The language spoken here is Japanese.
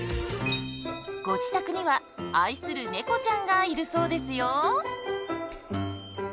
ご自宅には愛する猫ちゃんがいるそうですよ。